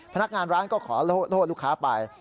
พนักงานร้านก็ขอโทษลูกค้าไป